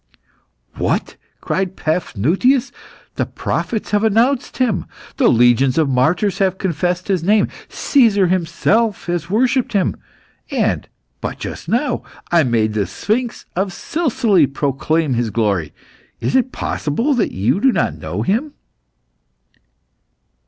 "What!" cried Paphnutius. "The prophets have announced Him; legions of martyrs have confessed His name; Caesar himself has worshipped Him, and, but just now, I made the sphinx of Silsile proclaim His glory. Is it possible that you do not know Him?"